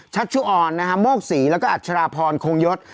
ชัชชุออนนะฮะโมกศรีแล้วก็อัชราพรคงยศ